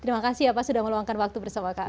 terima kasih ya pak sudah meluangkan waktu bersama kami